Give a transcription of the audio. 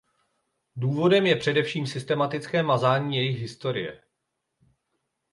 Důvodem je především systematické mazání jejich historie.